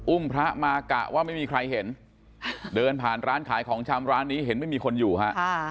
พระมากะว่าไม่มีใครเห็นเดินผ่านร้านขายของชำร้านนี้เห็นไม่มีคนอยู่ฮะ